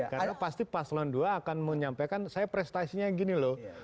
karena pasti paselan dua akan menyampaikan saya prestasinya gini loh